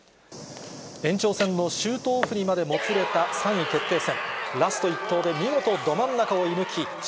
延長戦のシュートオフにまでもつれた３位決定戦。